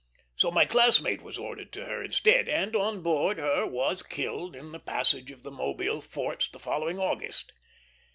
So my classmate was ordered to her instead, and on board her was killed in the passage of the Mobile forts the following August.